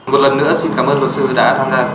một lần nữa xin cảm ơn luật sư đã tham gia